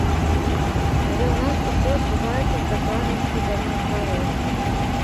Але ў нас усё адбываецца з дакладнасцю да наадварот.